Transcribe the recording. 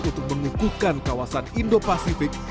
untuk mengukuhkan kawasan indo pasifik